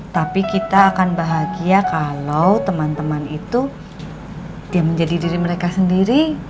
tapi kita akan bahagia kalau teman teman itu ya menjadi diri mereka sendiri